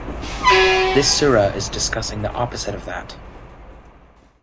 This surah is discussing the opposite of that.